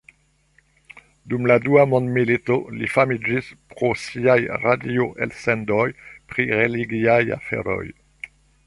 Dum la Dua mondmilito li famiĝis pro siaj radio-elsendoj pri religiaj aferoj.